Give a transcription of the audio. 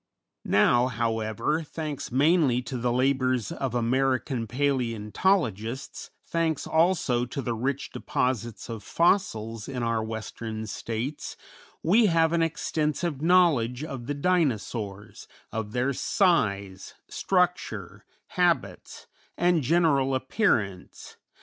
Now, however, thanks mainly to the labors of American palæontologists, thanks also to the rich deposits of fossils in our Western States, we have an extensive knowledge of the Dinosaurs, of their size, structure, habits, and general appearance.